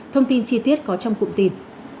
thông tin chi tiết có trong cụm tin